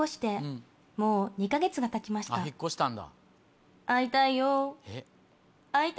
引っ越したんだ。